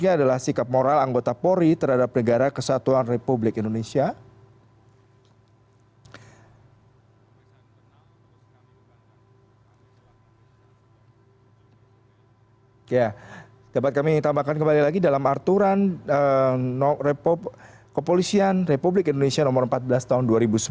ya dapat kami tambahkan kembali lagi dalam arturan kepolisian republik indonesia nomor empat belas tahun dua ribu sebelas